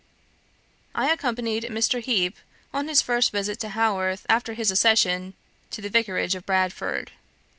"I accompanied Mr. Heap on his first visit to Haworth after his accession to the vicarage of Bradford.